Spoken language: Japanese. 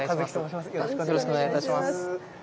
よろしくお願いします。